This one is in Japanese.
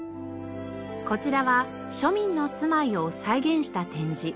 こちらは庶民の住まいを再現した展示。